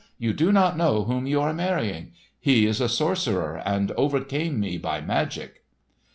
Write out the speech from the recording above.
You do not know whom you are marrying. He is a sorcerer, and overcame me by magic!"